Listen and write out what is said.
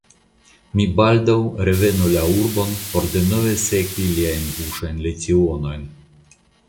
Mi baldaŭ revenu la urbon por denove sekvi liajn buŝajn lecionojn.